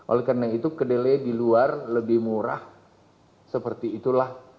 oleh karena itu kedelai di luar lebih murah seperti itulah